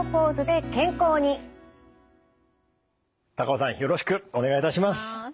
高尾さんよろしくお願いいたします。